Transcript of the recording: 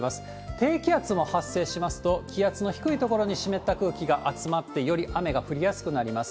低気圧も発生しますと、気圧の低い所に湿った空気が集まって、より雨が降りやすくなります。